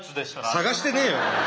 探してねえよ。